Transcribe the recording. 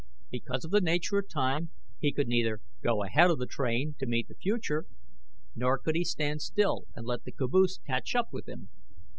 Because of the nature of time, he could neither go ahead of the train to meet the future nor could he stand still and let the caboose catch up with him.